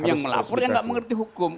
yang melapor yang tidak mengerti hukum